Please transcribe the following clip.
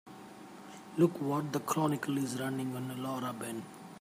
Look what the Chronicle is running on Laura Ben.